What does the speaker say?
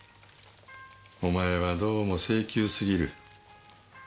お前はどうも性急すぎる。